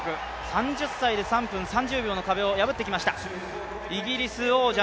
３０歳で３分３０秒の壁を破ってきました。